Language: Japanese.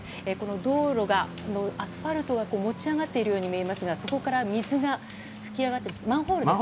道路、アスファルトが持ち上がっているように見えますがそこから水が噴き上がってます。